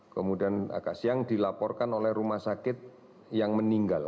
kemudian agak siang dilaporkan oleh rumah sakit yang meninggal